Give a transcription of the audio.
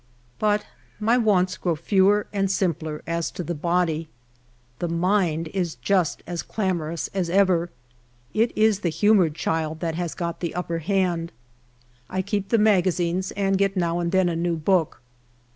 But my wants grow fewer and simpler as to the body ; the mind is just as clamorous as ever ; it is the humored child that has got the upper hand. I keep the magazines, and get now' and then a new book.